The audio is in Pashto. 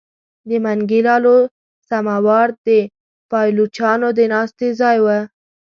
د منګي لالو سماوار د پایلوچانو د ناستې ځای وو.